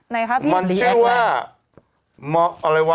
ไหนครับพี่รีแอคไวรัสมันคือว่าอะไรวะ